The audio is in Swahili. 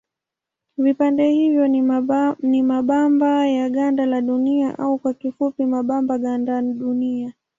Vipande hivyo ni mabamba ya ganda la Dunia au kwa kifupi mabamba gandunia.